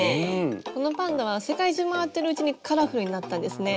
このパンダは世界中回ってるうちにカラフルになったんですね。